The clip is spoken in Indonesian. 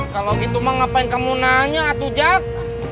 kalau gitu mah ngapain kamu nanya atau jak